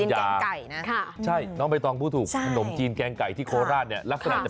เคยทานคือไปโคลาสเนี่ยคุณต้องไปทานขนมจีนแกงไก่ของโคลาสเขา